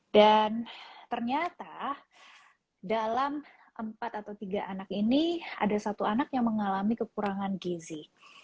dan ternyata dalam empat atau tiga anak ini ada satu anak yang mengalami kekurangan gizi